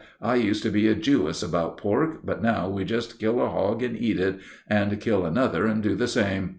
I used to be a Jewess about pork, but now we just kill a hog and eat it, and kill another and do the same.